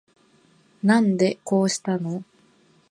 なんでこうしたの